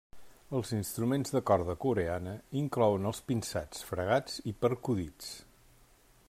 Els instruments de corda coreana inclouen els pinçats, fregats i percudits.